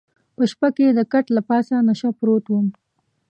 په شپه کې د کټ له پاسه نشه پروت وم.